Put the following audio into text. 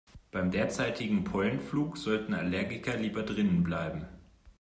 Beim derzeitigen Pollenflug sollten Allergiker lieber drinnen bleiben.